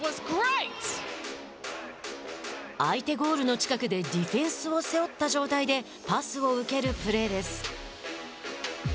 相手ゴールの近くでディフェンスを背負った状態でパスを受けるプレーです。